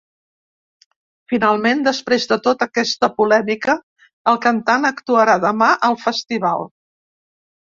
Finalment, després de tota aquesta polèmica, el cantant actuarà demà al festival.